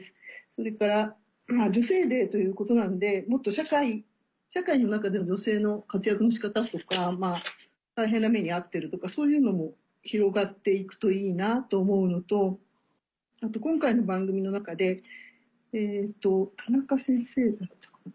それから女性デーということなんでもっと社会の中での女性の活躍の仕方とか大変な目に遭ってるとかそういうのも広がって行くといいなと思うのとあと今回の番組の中でえっと田中先生だったかな。